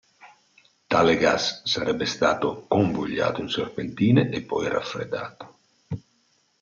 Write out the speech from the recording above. Tale gas sarebbe stato convogliato in serpentine e poi raffreddato.